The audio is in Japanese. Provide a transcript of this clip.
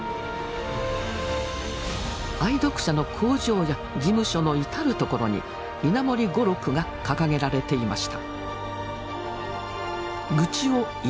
愛読者の工場や事務所の至る所に稲盛語録が掲げられていました。